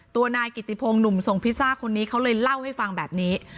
ตัวนายกิติพงศ์หนุ่มส่งพิซซ่าคนนี้เขาเลยเล่าให้ฟังแบบนี้